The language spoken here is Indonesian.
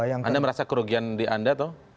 anda merasa kerugian di anda atau